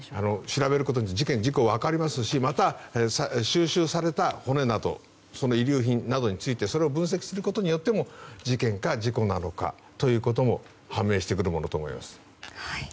調べることによって事件か事故かも分かりますしまた、収集された骨などの遺留品などについてそれを分析することによっても事件か、事故なのかも判明してくるものと思います。